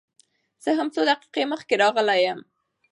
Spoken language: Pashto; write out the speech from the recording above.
زه هم څو دقيقې مخکې راغلى يم.